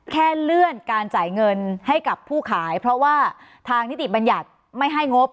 แค่เลื่อนการจ่ายเงินให้กับผู้ขายเพราะว่าทางนิติบัญญัติไม่ให้งบ